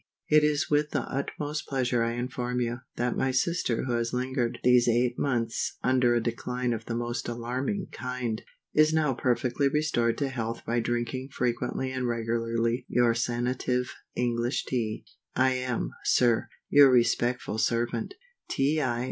_ IT is with the utmost pleasure I inform you, that my sister who has lingered these eight months under a decline of the most alarming kind, is now perfectly restored to health by drinking frequently and regularly your Sanative English Tea. I am, SIR, your respectful servant, T. I.